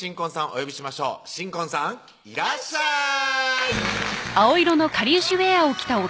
お呼びしましょう新婚さんいらっしゃいうわ！